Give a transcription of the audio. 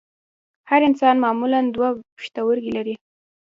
هر انسان معمولاً دوه پښتورګي لري